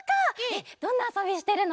えっどんなあそびしてるの？